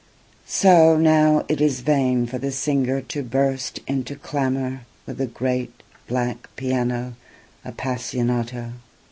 So now it is vain for the singer to burst into clamourWith the great black piano appassionato.